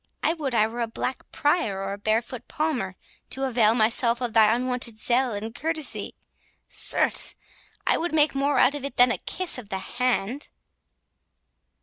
I would I were a black Prior or a barefoot Palmer, to avail myself of thy unwonted zeal and courtesy—certes, I would make more out of it than a kiss of the hand."